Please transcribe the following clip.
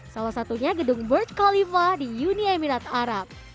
salah satunya gedung burj khalifa di uni emirat arab